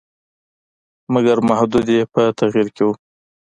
مګر حدود یې په تغییر کې وو.